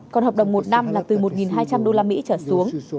còn hợp đồng một năm là từ một hai trăm linh usd trở xuống